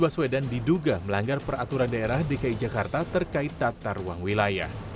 bahwa kebijakan anies baswedan diduga melanggar peraturan daerah dki jakarta terkait tatar uang wilayah